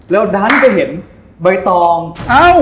แล้วดันก็เห็นเบตรองอ้าว